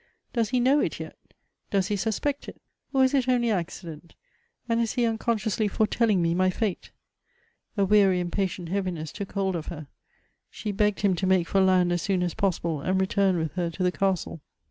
Does he know it yet ? Does he suspect it? or is it only accident ; and is he unconsciously foretelling me my fate ? A weary, impatient heaviness took hold of her ; she begged him to make for land as soon as possible, and return with her to the castle.